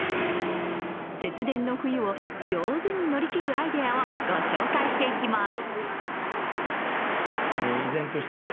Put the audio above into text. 節電の冬を上手に乗り切るアイデアをご紹介していきます。